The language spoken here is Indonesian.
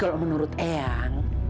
kalau menurut eang